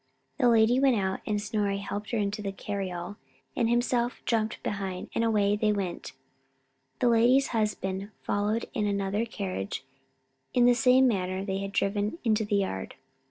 The lady went out, and Snorri helped her into the cariole and himself jumped up behind, and away they went. The lady's husband followed in another carriage in the same manner they had driven into the yard.